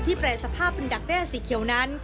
แปรสภาพเป็นดักแด้สีเขียวนั้น